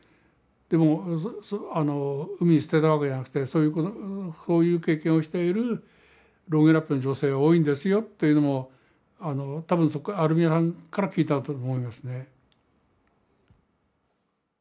でも海に捨てたわけじゃなくてそういう経験をしているロンゲラップの女性は多いんですよというのも多分アルミラさんから聞いたと思いますね。